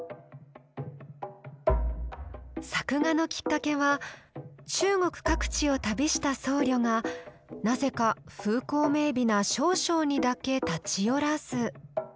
作画のきっかけは中国各地を旅した僧侶がなぜか風光明美な瀟湘にだけ立ち寄らず。